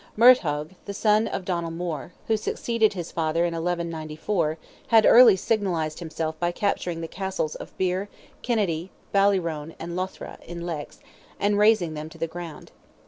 Murtogh, son of Donnell More, who succeeded his father in 1194, had early signalized himself by capturing the castles of Birr, Kinnetty, Ballyroane and Lothra, in Leix, and razing them to the ground.